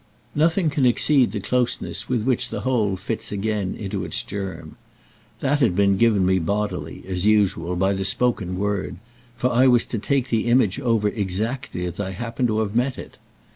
Nothing can exceed the closeness with which the whole fits again into its germ. That had been given me bodily, as usual, by the spoken word, for I was to take the image over exactly as I happened to have met it.